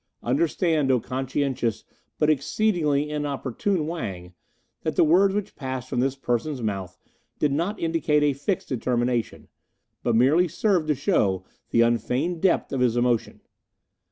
Understand, O conscientious but exceedingly inopportune Wang, that the words which passed from this person's mouth did not indicate a fixed determination, but merely served to show the unfeigned depth of his emotion.